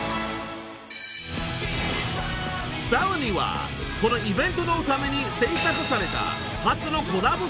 ［さらにはこのイベントのために制作された初のコラボ